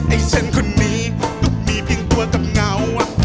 ไอฉันคนนี้ตุกมีเพียงตัวเกิดเหงา